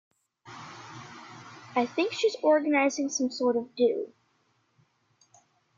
I think she's organising some sort of do.